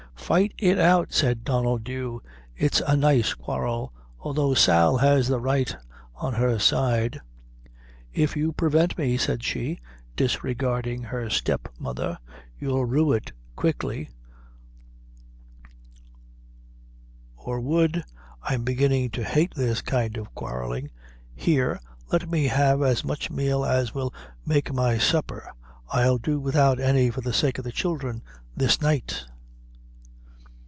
"Fight it out," said Donnel Dhu, "its a nice quarrel, although Sal has the right on her side." "If you prevent me," said she, disregarding her step mother, "you'll rue it quickly; or hould I'm beginnin' to hate this kind of quarrellin' here, let her have as much meal as will make my supper; I'll do without any for the sake of the childhre, this night."